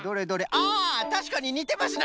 あたしかににてますな！